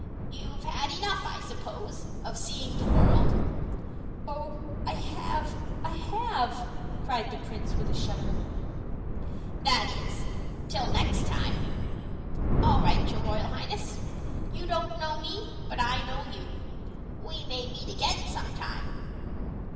"You've had enough, I suppose, of seeing the world?" "Oh, I have I have!" cried the prince, with a shudder. "That is, till next time. All right, your royal highness. You don't know me, but I know you. We may meet again some time."